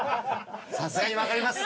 さすがにわかります